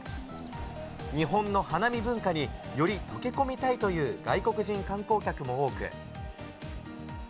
日本の花見文化により溶け込みたいという外国人観光客も多く。